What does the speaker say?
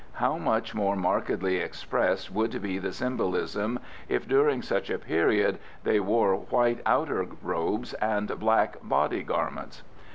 How much more markedly expressed would be the symbolism if during such a period they wore white outer robes and black body garments.